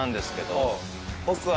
僕は。